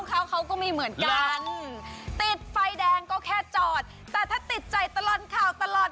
เขาเขาก็ไม่เหมือนกันติดไฟแดงก็แค่จอดแต่ถ้าติดใจตลอดข่าวตลอด